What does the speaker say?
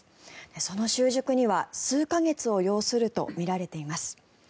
その習熟には数か月を要するとみられています。